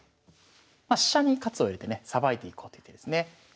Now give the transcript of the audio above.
まあ飛車に活を入れてねさばいていこうという手ですね。